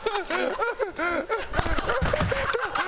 ハハハハ！